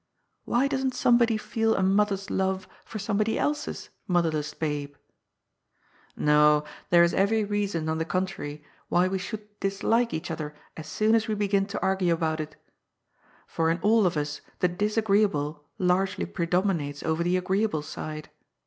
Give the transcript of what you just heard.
Why doesn't somebody feel a mother's love for somebody else's mother less babe ? No, there is every reason, on the contrary, why we should dislike each other as soon as we begin to arguo about it. For in all of us the disagreeable largely predomi nates over the agreeable side.